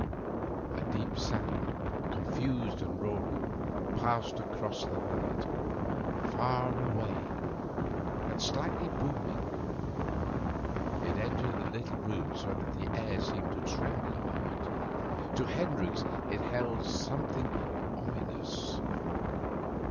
A deep sound, confused and roaring, passed across the night, far away, and slightly booming. It entered the little room so that the air seemed to tremble a moment. To Hendricks it held something ominous.